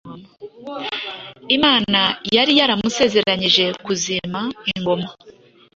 Imana yari yaramusezeraniye kuzima ingoma,